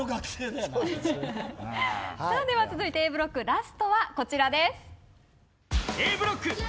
では続いてＡブロックラストはこちらです。